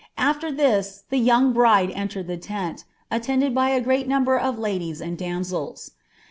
After tliii lb young bride entered the teut, attended by a great number of tadita !■! damsels.